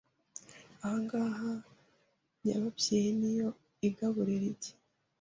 Aha ngaha nyababyeyi niyo igaburira igi